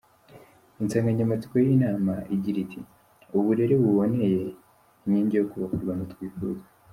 Insanganyamatsiko y’iyi nama igira iti “ Uburere buboneye: Inkingi yo kubaka u Rwanda twifuza.